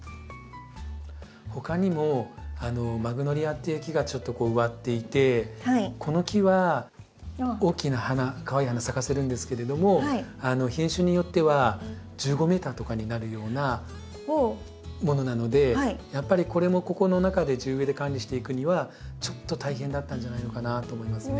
ほかにもマグノリアっていう木がちょっと植わっていてこの木は大きな花かわいい花咲かせるんですけれども品種によっては１５ｍとかになるようなものなのでやっぱりこれもここの中で地植えで管理していくにはちょっと大変だったんじゃないのかなって思いますね。